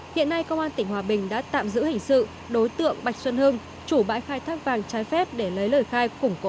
hiện nay công an tỉnh hòa bình đã tạm giữ hình sự đối tượng bạch xuân hưng chủ bãi khai thác vàng trái phép để lấy lời khai